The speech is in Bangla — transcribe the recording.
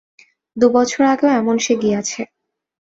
দু বছর আগেও এমন সে গিয়াছে।